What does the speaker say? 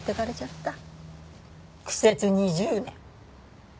苦節２０年。